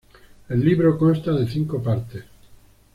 El libro consta de cinco partes.